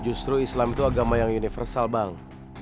justru islam itu agama yang universal bang